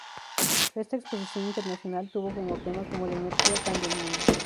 Esta exposición internacional tuvo como tema cómo "la energía cambia el mundo".